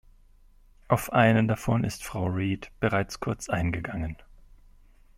Auf einen davon ist Frau Read bereits kurz eingegangen.